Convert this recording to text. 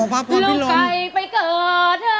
อ๋อพระพุทธพิลงค์ลูกไก่ไปเกาะเธอไม่ได้